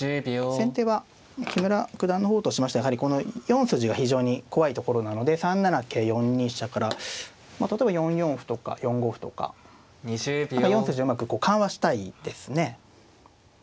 先手は木村九段の方としましてはやはりこの４筋が非常に怖いところなので３七桂４二飛車からまあ例えば４四歩とか４五歩とか４筋をうまくこう緩和したいですね。